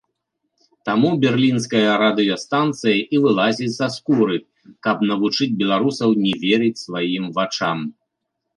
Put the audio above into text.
Таму берлінская радыёстанцыя і вылазіць са скуры, каб навучыць беларусаў не верыць сваім вачам.